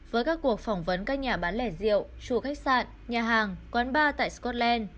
với các cuộc phỏng vấn các nhà bán lẻ rượu chùa khách sạn nhà hàng quán bar tại scotland